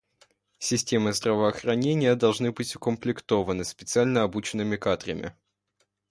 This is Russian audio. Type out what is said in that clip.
Системы здравоохранения должны быть укомплектованы специально обученными кадрами.